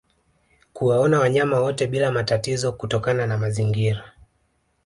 Kuwaona wanyama wote bila matatizo kutokana na mazingira